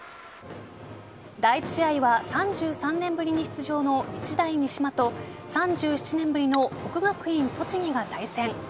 第１試合は３３年ぶりに出場の日大三島と３７年ぶりの国学院栃木が対戦。